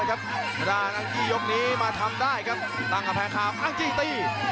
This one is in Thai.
นัดด้านอังกฤษยกนี้มาทำได้ครับตั้งกับแผงขาวอังกฤษตี